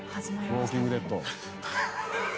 「『ウォーキング・デッド』」